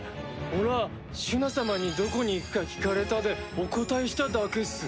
オラシュナ様にどこに行くか聞かれたでお答えしただけっす。